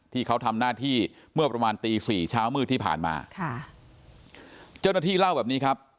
ที่เขาทำหน้าที่เมื่อประมาณตีสี่เช้ามืดที่ผ่านมาค่ะเจ้าหน้าที่เล่าแบบนี้ครับ